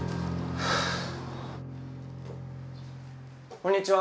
こんにちは。